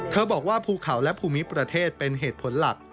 บอกว่าภูเขาและภูมิประเทศเป็นเหตุผลหลัก